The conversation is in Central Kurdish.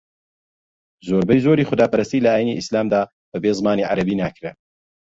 زۆربەی زۆری خوداپەرستی لە ئاینی ئیسلامدا بەبێ زمانی عەرەبی ناکرێ